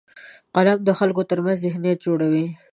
قلم د خلکو ترمنځ ذهنیت جوړوي